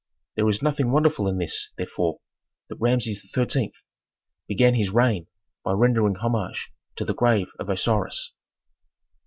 There is nothing wonderful in this, therefore, that Rameses XIII. began his reign by rendering homage to the grave of Osiris.